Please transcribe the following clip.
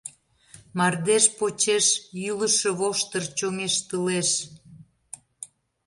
Мардеж почеш йӱлышӧ воштыр чоҥештылеш.